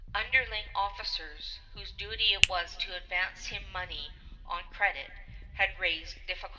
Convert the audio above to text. Underling officers, whose duty it was to advance him money on credit, had raised difficulties.